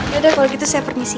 yaudah kalau gitu saya permisi